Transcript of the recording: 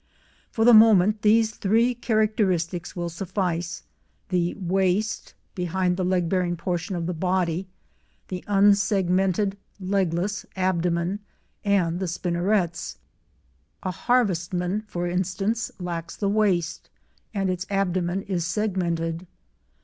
For the moment these three characteristics will suffice—the "waist" behind the leg bearing portion of the body, the unsegmented, legless, abdomen, and the spinnerets (fig. 1 B). A harvestman, for instance, lacks the waist, and its abdomen is segmented.